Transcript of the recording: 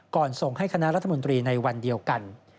ส่งให้คณะรัฐมนตรีในวันเดียวกัน